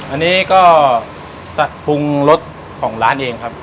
อันนี้ก็จะปรุงรสของร้านเองครับ